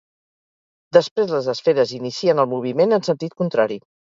Després les esferes inicien el moviment en sentit contrari.